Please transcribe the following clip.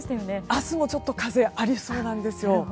明日もちょっと風ありそうなんですよ。